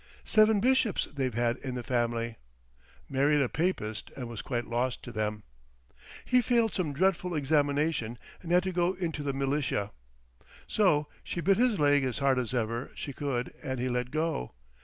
"Seven bishops they've had in the family!" "Married a Papist and was quite lost to them."... "He failed some dreadful examination and had to go into the militia."... "So she bit his leg as hard as ever she could and he let go."...